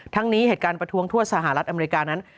นี้เหตุการณ์ประท้วงทั่วสหรัฐอเมริกานั้น